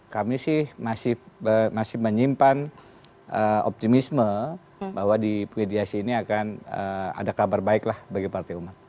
kami sih masih menyimpan optimisme bahwa di mediasi ini akan ada kabar baik lah bagi partai umat